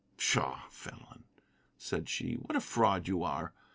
"Pshaw, Fenelon," said she, "what a fraud you are.